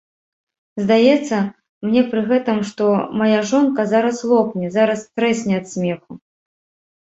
Здаецца мне пры гэтым, што мая жонка зараз лопне, зараз трэсне ад смеху.